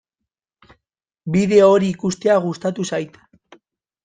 Bideo hori ikustea gustatu zait.